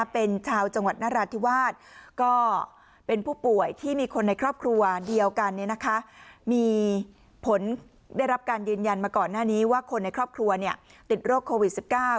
เป็นชาวจังหวัดนราธิวาส